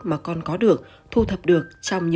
mà con có được thu thập được